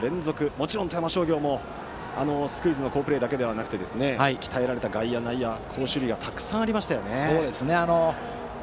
もちろん、富山商業もスクイズの好プレーだけではなく鍛え抜かれた内野、外野と好守備がたくさんありましたよね。